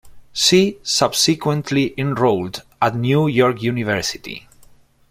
She subsequently enrolled at New York University.